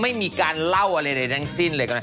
ไม่มีการเล่าอะไรในเนื้อสิ้นเลย